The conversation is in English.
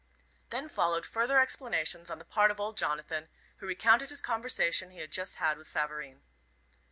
Then followed further explanations on the part of old Jonathan, who recounted the conversation he had just had with Savareen.